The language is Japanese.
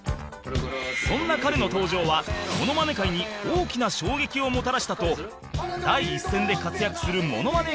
そんな彼の登場はモノマネ界に大きな衝撃をもたらしたと第一線で活躍するモノマネ